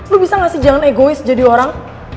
lu bisa gak sih jangan egois jadi orang